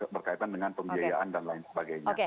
berkaitan dengan pembiayaan dan lain sebagainya